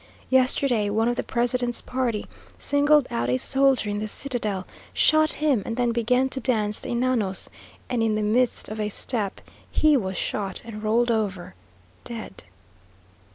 Yesterday, one of the president's party singled out a soldier in the citadel, shot him, and then began to dance the Enanos, and in the midst of a step, he was shot, and rolled over, dead....